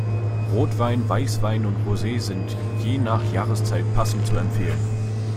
Rotwein, Weißwein und Rosee sind je nach Jahreszeit passend zu empfehlen.